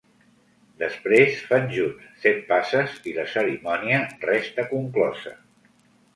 Després fan junts set passes i la cerimònia resta conclosa.